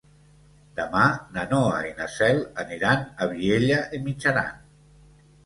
Demà na Noa i na Cel aniran a Vielha e Mijaran.